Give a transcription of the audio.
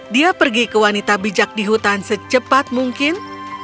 dia pergi ke wanita bijak di hutan secepat mungkin